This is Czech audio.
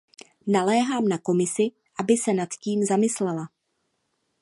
Naléhám na Komisi, aby se nad tím zamyslela.